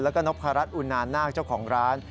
แล้วก็นพรัชอุนานนาคเจ้าของร้าน